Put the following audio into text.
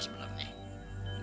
masuk masuk masuk